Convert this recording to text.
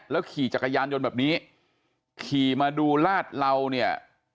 ขี่จักรยานยนต์แบบนี้ขี่มาดูลาดเหลาเนี่ย